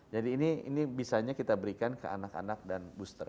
jadi ini bisanya kita berikan ke anak anak dan booster